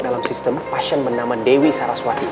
baik sebentar ya dok